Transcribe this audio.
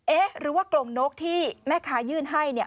เอ๊ะหรือว่ากลงนกที่แม่ค้ายื่นให้